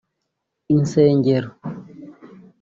insengero